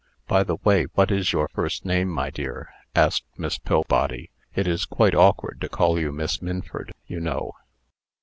"By the way, what is your first name, my dear?" asked Miss Pillbody. "It is quite awkward to call you Miss Minford, you know."